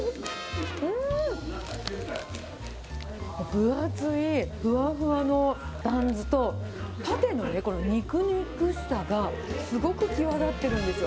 分厚いふわふわのバンズと、パティのこの肉肉しさが、すごく際立ってるんですよ。